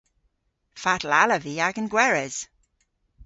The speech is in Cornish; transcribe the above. Fatel allav vy agan gweres?